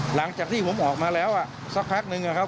หลังจากที่ผมออกมาแล้วสักพักนึงนะครับ